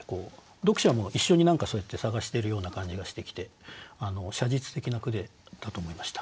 読者も一緒に何かそうやって探してるような感じがしてきて写実的な句だと思いました。